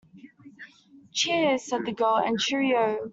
Cheers, said the girl, and cheerio